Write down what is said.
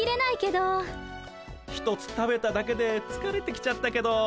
１つ食べただけでつかれてきちゃったけど。